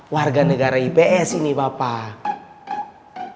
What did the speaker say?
warga negara ips ini bapak